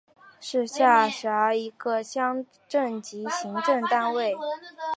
是下辖的一个乡镇级行政单位。